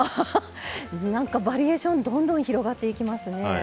なんかバリエーションどんどん広がっていきますね。